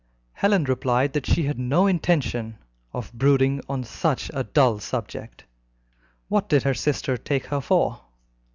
Helen replied that she had no intention of brooding on such a dull subject. What did her sister take her for?